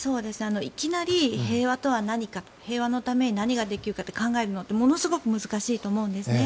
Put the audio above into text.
いきなり平和とは何か平和のために何ができるかって考えるのってものすごく難しいと思うんですね。